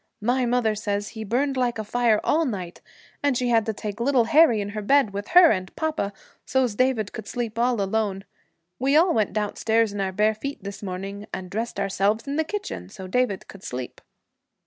My mother says he burned like a fire all night, and she had to take little Harry in her bed, with her and papa, so's David could sleep all alone. We all went downstairs in our bare feet this morning, and dressed ourselves in the kitchen, so David could sleep.'